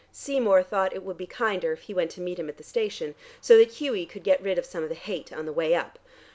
"Seymour thought it would be kinder if he went to meet him at the station, so that Hughie could get rid of some of the hate on the way up.